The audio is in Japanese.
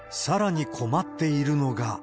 さらに困っているのが。